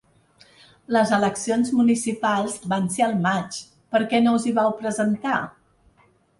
Les eleccions municipals van ser al maig, per què no us hi vau presentar?